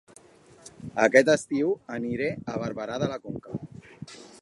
Aquest estiu aniré a Barberà de la Conca